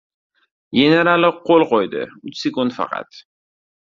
Generali qo‘l qo‘ydi. Uch sekund faqat…